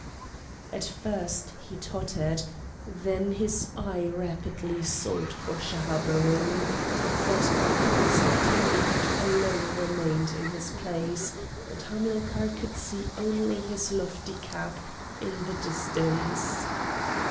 At first he tottered, then his eye rapidly sought for Schahabarim. But the priest of Tanith had alone remained in his place; and Hamilcar could see only his lofty cap in the distance.